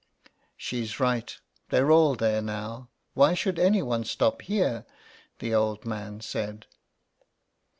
" She's right — they're all there now. Why should anyone stop here ?" the old man said.